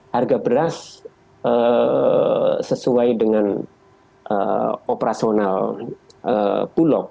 harga beras sesuai dengan operasional bulog